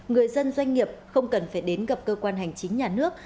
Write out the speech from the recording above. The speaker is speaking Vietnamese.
người dân doanh nghiệp không cần phải đến gặp cơ quan hành chính nhà nước